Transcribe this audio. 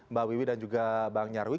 mbak wiwi dan juga bang nyarwi